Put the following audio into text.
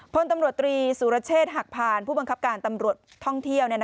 พลตำรวจตรีสุรเชษฐ์หักพานผู้บังคับการตำรวจท่องเที่ยว